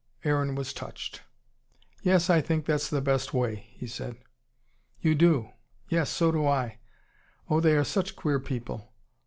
Aaron was touched. "Yes, I think that's the best way," he said. "You do! Yes, so do I. Oh, they are such queer people!